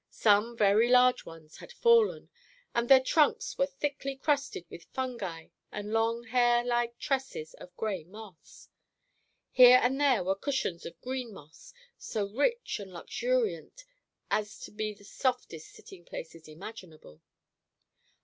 Some very large ones had fallen, and their trunks were thickly crusted with fungi and long hair like tresses of gray moss. Here and there were cushions of green moss, so rich and luxuriant as to be the softest sitting places imaginable.